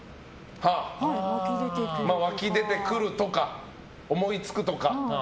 湧き出てくるとか思いつくとか。